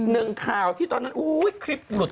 หนึ่งข่าวที่ตอนนั้นอุ้ยคลิปหลุด